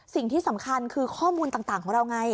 สิ่งที่สำคัญคือข้อมูลต่างของเราไง